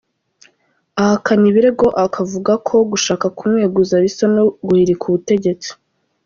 Ahakana ibi birego akavuga ko gushaka kumweguza bisa no guhirika ubutegetsi.